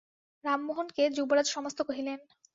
রামমোহনকে যুবরাজ সমস্ত কহিলেন।